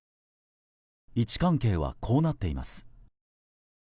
位置関係は、こうなっています。